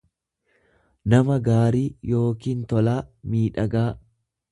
nama gaarii yookiin tolaa, miidhagaa.